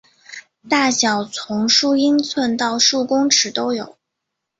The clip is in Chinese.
大小从数英寸到数公尺都有。